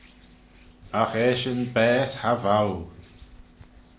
Agh eshyn baase cha vow!